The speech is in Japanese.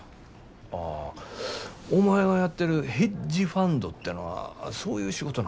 ああお前がやってるヘッジファンドてのはそういう仕事なんか。